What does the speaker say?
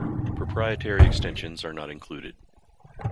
Proprietary extensions are not included.